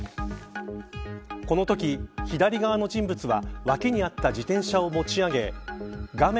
このとき、左側の人物は脇にあった自転車を持ち上げ画面